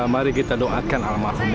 mari kita doakan alamakum ya